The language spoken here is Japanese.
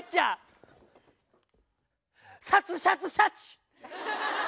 サツシャツシャチ。